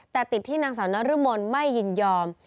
แต่ติดที่นางสาวนรมนไม่ยินยอม